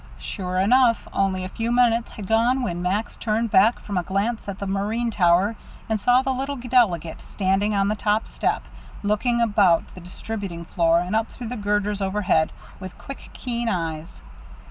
Sure enough, only a few minutes had gone when Max turned back from a glance at the marine tower and saw the little delegate standing on the top step, looking about the distributing floor and up through the girders overhead, with quick, keen eyes.